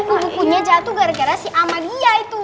bukunya jatuh gara gara si amalia itu